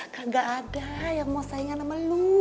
gak ada yang mau saingan sama lo